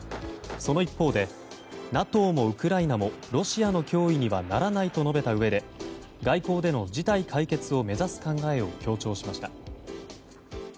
その一方でＮＡＴＯもウクライナもロシアの脅威にはならないと述べたうえで外交での事態解決を目指す考えを強調しました。